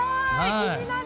気になる！